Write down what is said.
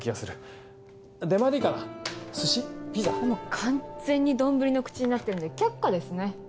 完全に丼の口になってるんで却下ですね。